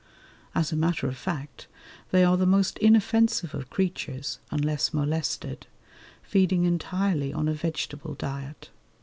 As a matter of fact they are the most inoffensive of creatures unless molested, feeding entirely on a vegetable diet.